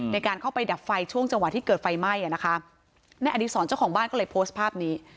ในการเข้าไปดับไฟช่วงจังหวะที่เกิดไฟไหม้อะนะคะในอดีศรเจ้าของบ้านก็เลยโพสต์ภาพนี้